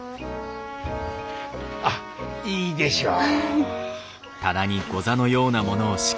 あっいいでしょう。